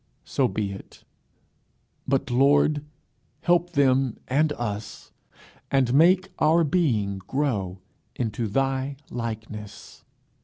So be it. But, Lord, help them and us, and make our being grow into thy likeness.